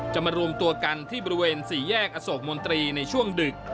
มารวมตัวกันที่บริเวณสี่แยกอโศกมนตรีในช่วงดึก